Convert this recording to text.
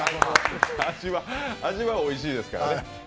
味はおいしいですからね。